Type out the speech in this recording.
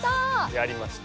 やりました。